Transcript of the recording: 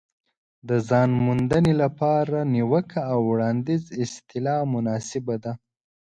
د ځان موندنې لپاره نیوکه او وړاندیز اصطلاح مناسبه ده.